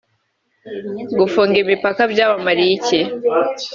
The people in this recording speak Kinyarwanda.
Gufunga imipaka byabamariye iki